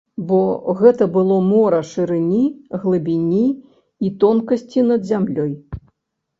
Бо гэта было мора шырыні, глыбіні і тонкасці над зямлёй.